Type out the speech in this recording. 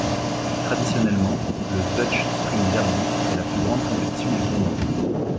Traditionnellement, le Deutsche Spring-Derby est la plus grande compétition du tournoi.